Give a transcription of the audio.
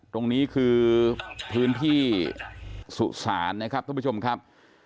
ตรงนี้คือพื้นที่สุสานนะครับท่านผู้ชมครับ